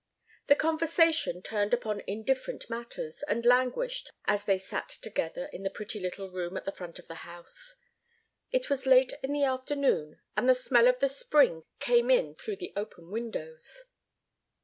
The conversation turned upon indifferent matters and languished, as they sat together in the pretty little room at the front of the house. It was late in the afternoon, and the smell of the spring came in through the open windows.